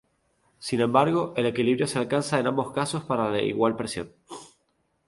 Sin embargo, el equilibrio se alcanza en ambos casos para igual presión.